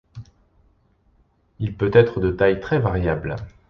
Il peut être de taille très variable.